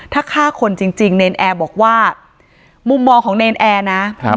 ถ้าฆ่าคนจริงเนรนแอร์บอกว่ามุมมองของเนรนแอร์นะครับ